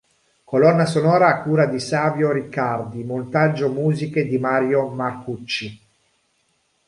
Colonna sonora a cura di Savio Riccardi, montaggio musiche di Mario Marcucci.